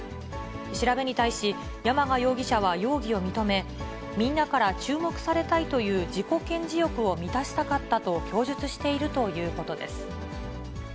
調べに対し山賀容疑者は容疑を認め、みんなから注目されたいという自己顕示欲を満たしたかったと供述しているということです。